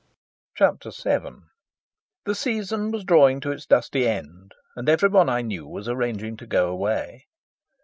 Chapter VII The season was drawing to its dusty end, and everyone I knew was arranging to go away.